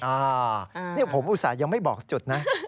อ่านี่ผมอุตส่าห์ยังไม่บอกจุดนะ